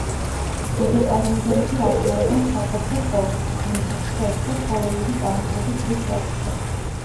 ვეგეტარიანელები არ ხმარობენ საკვებში ხორცს, ფრინველს, თევზს და ცხოველური წარმოშობის ზღვის პროდუქტებს.